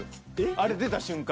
あれ出た瞬間。